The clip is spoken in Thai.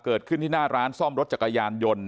เกิดขึ้นที่หน้าร้านซ่อมรถจักรยานยนต์